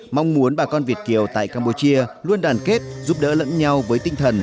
mong muốn bà con việt kiều tại campuchia luôn đoàn kết giúp đỡ lẫn nhau với tinh thần